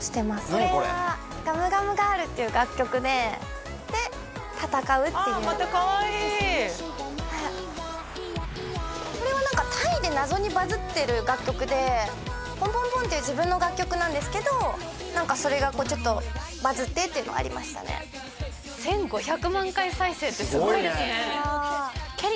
これこれは「ガムガムガール」っていう楽曲でで戦うっていうああまたカワイイこれは何かタイでなぞにバズってる楽曲で「ＰＯＮＰＯＮＰＯＮ」っていう自分の楽曲なんですけど何かそれがちょっとバズってっていうのありましたね１５００万回再生ってすごいですねき